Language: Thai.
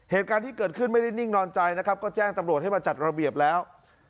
เหตุการณ์ที่เกิดขึ้นไม่ได้นิ่งนอนใจนะครับก็แจ้งตำรวจให้มาจัดระเบียบแล้ว